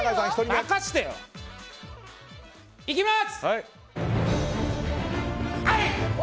任せてよ！いきます！